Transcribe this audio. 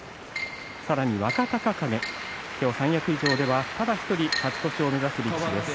さらに若隆景三役以上では、ただ１人勝ち越しを目指す力士です。